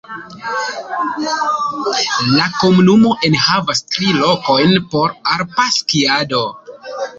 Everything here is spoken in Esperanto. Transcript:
La komunumo enhavas tri lokojn por alpa skiado.